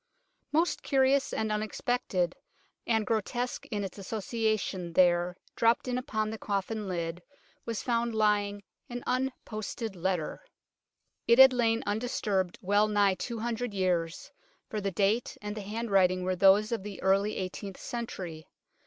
Most curious and unexpected, and grotesque in its association, there, dropped in upon the coffin lid, was found lying an unposted letter. 36 SHRINE OF EDWARD THE CONFESSOR 37 It had lain undisturbed well nigh two hundred years, for the date and the handwriting were those of the early eighteenth century.